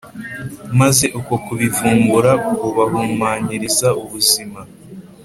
maze uko kubivumbura kubahumanyiriza ubuzima.